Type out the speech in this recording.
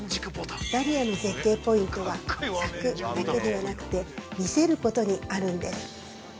ダリアの絶景ポイントは咲くだけではなくて魅せることにあるんです。